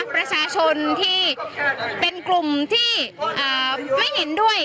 ประชาชนที่เป็นกลุ่มที่ไม่เห็นด้วย